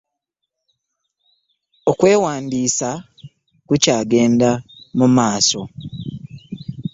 Okwewandiisa kukyagenda mu maaso.